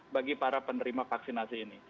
bagi para penerima vaksinasi ini